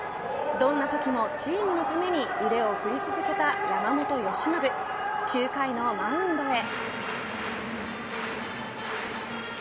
どんなときもチームのために腕を振り続けた山本由伸９回のマウンドへ。